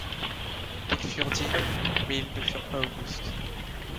Ils furent dignes, mais ils ne furent pas augustes.